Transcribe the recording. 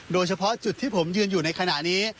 โดยเฉพาะจุดที่ผมยืนอยู่ในขณะนี้